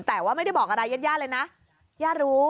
แต่ว่าไม่ได้บอกอะไรญาติรู้